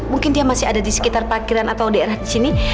mungkin dia masih ada di sekitar pakiran atau daerah di sini